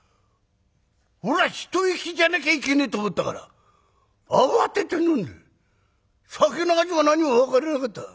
おら一息じゃなきゃいけねえと思ったから慌てて飲んで酒の味も何も分からなかった。